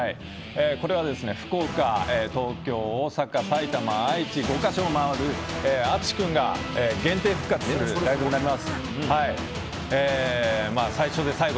これは福岡、東京、大阪、埼玉愛知、５か所を回ってＡＴＳＵＳＨＩ君が限定復活するライブになります。